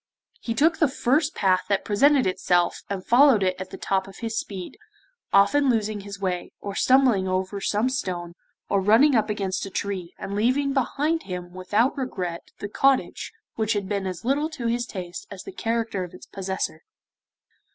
He took the first path that presented itself and followed it at the top of his speed, often losing his way, or stumbling over some stone, or running up against a tree, and leaving behind him without regret the cottage which had been as little to his taste as the character of its possessor.